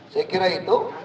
saya kira itu